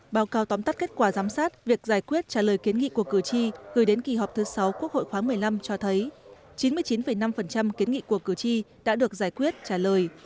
báo cáo tóm tắt kết quả giám sát việc giải quyết trả lời kiến nghị của cử tri gửi đến kỳ họp thứ sáu quốc hội khoáng một mươi năm cho thấy chín mươi chín năm kiến nghị của cử tri đã được giải quyết trả lời